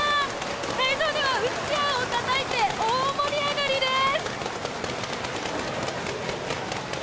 会場ではうちわをたたいて大盛り上がりです！